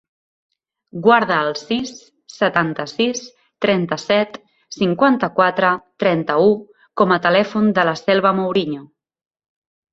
Guarda el sis, setanta-sis, trenta-set, cinquanta-quatre, trenta-u com a telèfon de la Selva Mouriño.